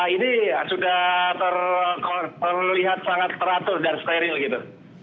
ini sudah terlihat sangat teratur dan steril gitu